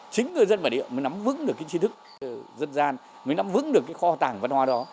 chính người dân bản địa mới nắm vững được cái chi thức dân gian mới nắm vững được cái kho tàng văn hóa đó